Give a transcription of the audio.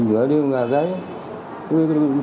rất cận tình